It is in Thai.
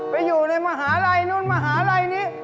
ไปอยู่ในมหาลัยนู่นมหาลัยนี้